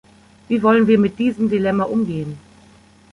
Wie wollen wir mit diesem Dilemma umgehen?